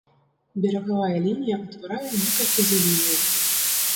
Берагавая лінія ўтварае некалькі заліваў.